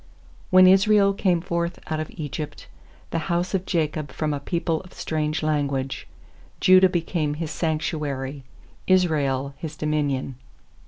When Israel came forth out of Egypt, The house of Jacob from a people of strange language; 2Judah became His sanctuary, Israel His dominion.